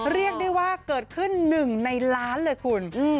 เรียกได้ว่าเกิดขึ้น๑ในล้านเลยคุณ